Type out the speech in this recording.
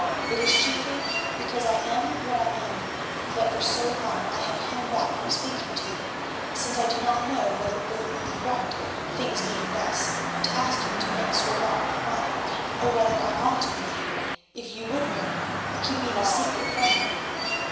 It is chiefly because I am what I am that for so long I have hung back from speaking to you, since I did not know whether it would be right—things being thus—to ask you to mix your lot with mine, or whether I ought to marry you, if you would marry me, keeping this secret from you.